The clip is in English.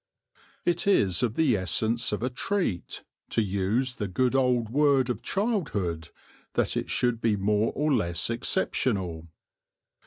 It is of the essence of a "treat," to use the good old word of childhood, that it should be more or less exceptional.